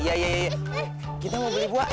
iya iya iya kita mau beli buah